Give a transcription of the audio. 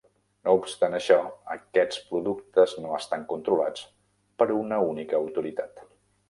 No obstant això, aquests productes no estan controlats per una única autoritat.